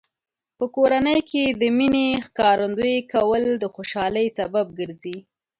په کورنۍ کې د مینې ښکارندوی کول د خوشحالۍ سبب ګرځي.